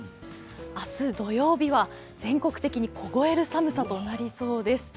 明日、土曜日は全国的に凍える寒さとなりそうです。